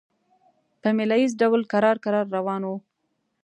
په مېله ییز ډول کرار کرار روان وو.